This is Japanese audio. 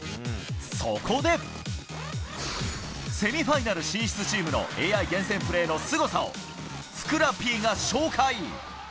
そこで、セミファイナル進出チームのＡＩ厳選プレーのすごさを、ふくらＰが紹介。